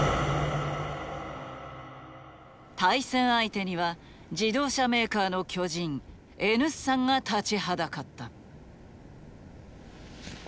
対戦相手には自動車メーカーの巨人Ｎ産が立ちはだかった。